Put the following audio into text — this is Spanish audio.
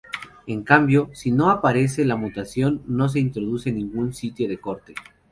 En cambio, si no aparece la mutación no se introduce ningún sitio de corte.